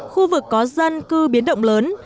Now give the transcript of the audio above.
khu vực có dân cư biến động lớn